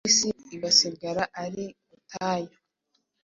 isi igasigara ari ubutayu